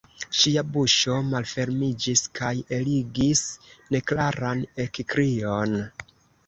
Ŝia buŝo malfermiĝis kaj eligis neklaran ekkrion.